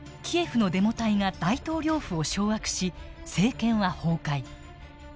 キエフのデモ隊が大統領府を掌握し政権は崩壊。